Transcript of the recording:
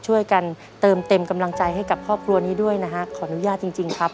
ช่วยกันเติมเต็มกำลังใจให้กับครอบครัวนี้ด้วยนะฮะขออนุญาตจริงจริงครับ